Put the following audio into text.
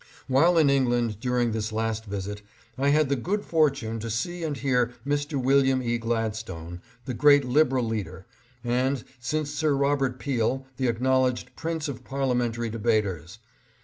While in England during this last visit I had the good fortune to see and hear Mr. William E. Gladstone, the great Liberal leader, and, since Sir Robert Peel, the acknowledged prince of parliamentary debaters.